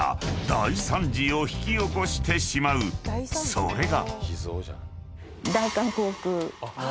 ［それが］